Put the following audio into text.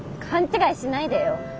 勘違いしないでよ。